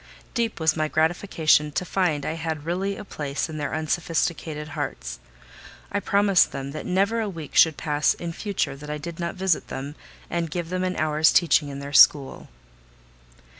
Deep was my gratification to find I had really a place in their unsophisticated hearts: I promised them that never a week should pass in future that I did not visit them, and give them an hour's teaching in their school.